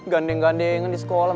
gandeng gandengan di sekolah